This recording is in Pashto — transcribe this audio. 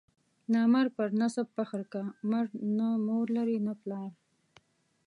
نامرد پر نسب فخر کا، مرد نه مور لري نه پلار.